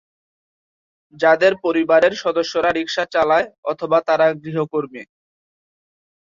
যাদের পরিবারের সদস্যরা রিকশা চালায় অথবা তারা গৃহকর্মী।